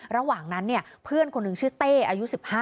ระหว่างนั้นเพื่อนคนหนึ่งชื่อเต้อายุ๑๕